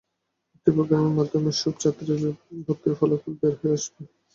একটি প্রোগ্রামের মাধ্যমে সব ছাত্রের ভর্তির ফলাফল বের হয়ে আসবে।